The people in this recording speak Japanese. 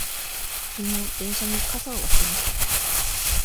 きのう電車に傘を忘れました。